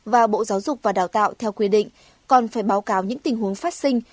và bộ giáo dục và đào tạo theo quy định còn phải báo cáo những tình huống phát sinh